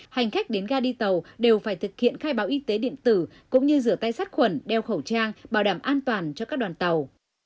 hành khách đến ga đi tàu đều phải thực hiện khai báo y tế điện tử cũng như rửa tay sát khuẩn đeo khẩu trang bảo đảm an toàn cho các đoàn tàu